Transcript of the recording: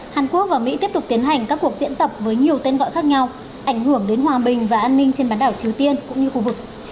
hàn quốc và mỹ tiếp tục tiến hành các cuộc diễn tập với nhiều tên gọi khác nhau ảnh hưởng đến hòa bình và an ninh trên bán đảo triều tiên cũng như khu vực